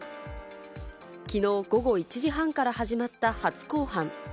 きのう午後１時半から始まった初公判。